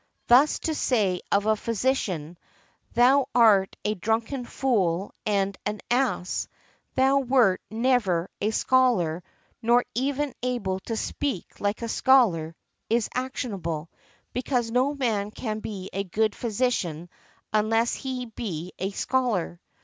Thus to say of a physician, "Thou art a drunken fool and an ass. Thou wert never a scholar, nor even able to speak like a scholar," is actionable, because no man can be a good physician unless he be a scholar .